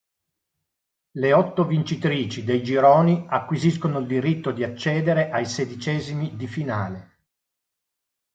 Le otto vincitrici dei gironi acquisiscono il diritto di accedere ai sedicesimi di finale.